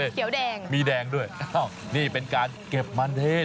เขียวแดงมีแดงด้วยอ้าวนี่เป็นการเก็บมันเทศ